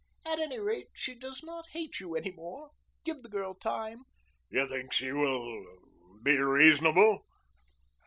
At any rate, she does not hate you any more. Give the girl time." "You think she will be reasonable?"